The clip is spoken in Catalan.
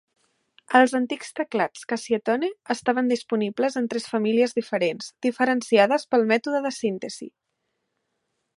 Els antics teclats Casiotone estaven disponibles en tres famílies diferents, diferenciades pel mètode de síntesi.